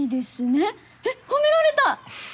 えっ褒められた！